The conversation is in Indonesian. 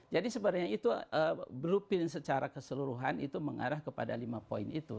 jadi sebenarnya itu berupin secara keseluruhan itu mengarah kepada lima poin itu